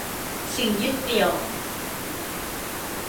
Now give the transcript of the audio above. สิ่งยึดเหนี่ยว